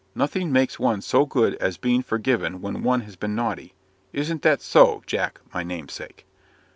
Nothing makes one so good as being forgiven when one has been naughty. Isn't it so, Jack, my namesake?"